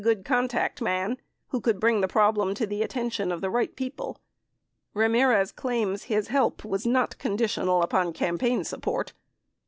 good "contact man" who could bring the problem to the attention of the right people. Ramirez claims his help was not conditioned upon campaign support.